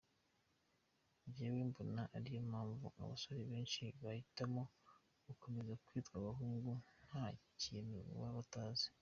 Njyewe mbona ariyo mpamvu abasore benshi bahitamo gukomeza kwitwa abahungu ,nta kintu baba batazi.